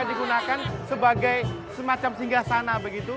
yang digunakan sebagai semacam singgah sana begitu